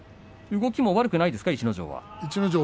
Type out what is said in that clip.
動きも悪くないですか逸ノ城は。